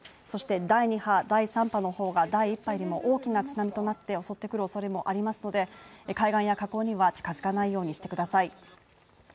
そして第２波、第３波の方が第一波よりも大きな津波となって襲ってくるおそれもありますので海岸や河口には近づかないようにしてください。